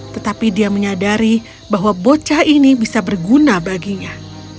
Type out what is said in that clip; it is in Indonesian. tetapi dia menyadari bahwa bocah ini bisa berguna baginya